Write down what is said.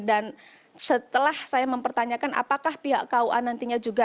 dan setelah saya mempertanyakan apakah pihak kua nantinya juga